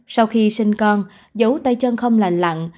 sau khi sinh con dấu tay chân không lành lặng